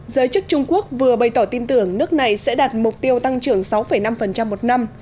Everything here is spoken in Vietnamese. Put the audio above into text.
giới chức trung quốc vừa bày tỏ tin tưởng nước này sẽ đạt mục tiêu tăng trưởng sáu năm một năm